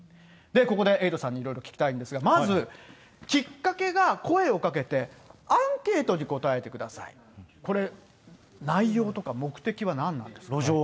ここでエイトさんにいろいろ聞きたいんですが、まず、きっかけが声をかけて、アンケートに答えてください、これ、内容とか目的は何なんでしょうか。